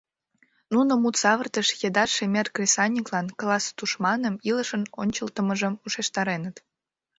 Нуно мут савыртыш еда шемер кресаньыклан класс тушманым, илышын ончылтымыжым ушештареныт.